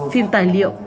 phim tài liệu